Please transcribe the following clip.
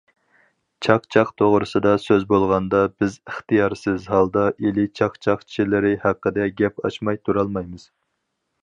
چاقچاق توغرىسىدا سۆز بولغاندا بىز ئىختىيارسىز ھالدا ئىلى چاقچاقچىلىرى ھەققىدە گەپ ئاچماي تۇرالمايمىز.